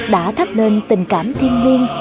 đã thắp lên tình cảm thiên nhiên